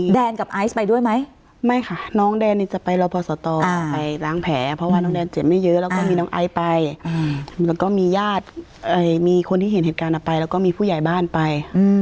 แดนกับไอซ์ไปด้วยไหมไม่ค่ะน้องแดนเนี่ยจะไปรอพอสตไปล้างแผลเพราะว่าน้องแดนเจ็บไม่เยอะแล้วก็มีน้องไอซ์ไปแล้วก็มีญาติมีคนที่เห็นเหตุการณ์เอาไปแล้วก็มีผู้ใหญ่บ้านไป